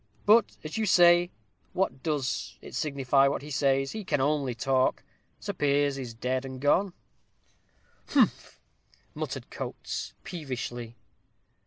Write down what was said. But, as you say, what does it signify what he says? he can only talk. Sir Piers is dead and gone." "Humph!" muttered Coates, peevishly.